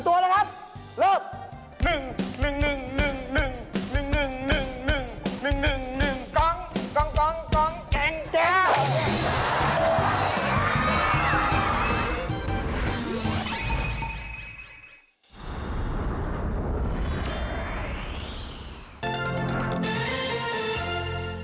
โปรดติดตามตอนต่อไป